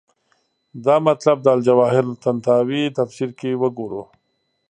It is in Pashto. دا مطلب د الجواهر طنطاوي تفسیر کې وګورو.